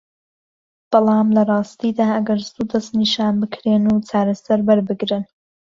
بەڵام لە راستیدا ئەگەر زوو دەستنیشان بکرێن و چارەسەر وەربگرن